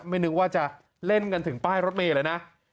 นึกว่าจะเล่นกันถึงป้ายรถเมย์เลยนะ